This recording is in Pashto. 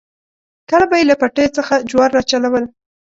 کله به یې له پټیو څخه جوار راچلول.